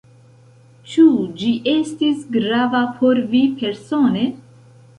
Ĉu ĝi estis grava por vi persone?